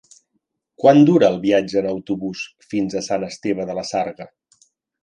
Quant dura el viatge en autobús fins a Sant Esteve de la Sarga?